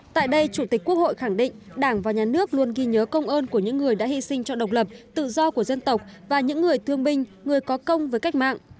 tại đây chủ tịch quốc hội khẳng định đảng và nhà nước luôn ghi nhớ công ơn của những người đã hy sinh cho độc lập tự do của dân tộc và những người thương binh người có công với cách mạng